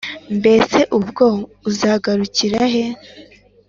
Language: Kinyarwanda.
mbese ubwo uzagarukira he?!